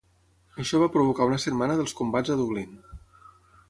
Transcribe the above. Això va provocar una setmana dels combats a Dublín.